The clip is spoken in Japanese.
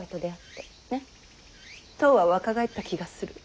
１０は若返った気がする。